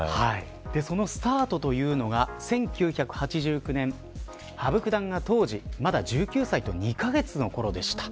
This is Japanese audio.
そのスタートというのが１９８９年羽生九段が当時まだ１９歳と２カ月のころでした。